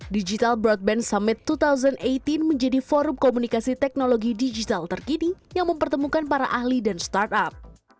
digital broadband summit dua ribu delapan belas menjadi forum komunikasi teknologi digital terkini yang mempertemukan para ahli dan startup